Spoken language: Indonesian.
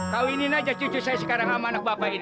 kawinin aja cucu saya sekarang sama anak bapak ini